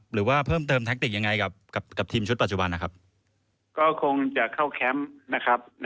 หรือว่าเพิ่มเติมแทคติกยังไงกับทีมชุดปัจจุบันนะครับก็คงจะเข้าแคมป์นะครับ